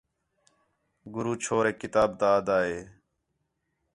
گُرو چھوریک کتاب تا آھدا ہِے